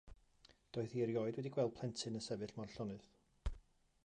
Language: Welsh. Doedd hi erioed wedi gweld plentyn yn sefyll mor llonydd.